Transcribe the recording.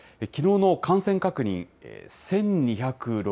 きのうの感染確認、１２６８人。